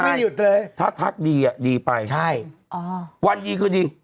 ไม่หยุดเลยถ้าทักดีอ่ะดีไปใช่อ๋อวันดีคืนดี